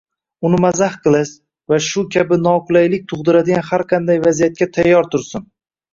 uni mazax qilish va shu kabi noqulaylik tug‘diradigan har qanday vaziyatga tayyor tursin.